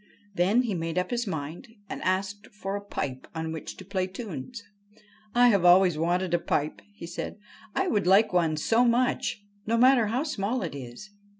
Then he made up his mind and asked for a pipe on which to play tunes. ' I have always wanted a pipe,' he said ;' I would like one so much, no matter how small it is.'